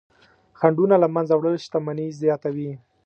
خنډونه له منځه وړل شتمني زیاتوي.